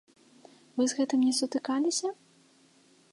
Вы з гэтым не сутыкаліся?